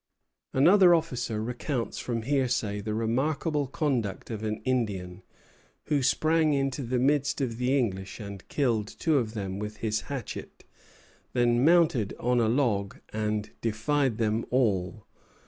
Another officer recounts from hearsay the remarkable conduct of an Indian, who sprang into the midst of the English and killed two of them with his hatchet; then mounted on a log and defied them all.